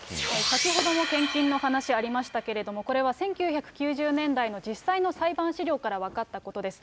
先ほども献金の話ありましたけれども、これは１９９０年代の実際の裁判資料から分かったことです。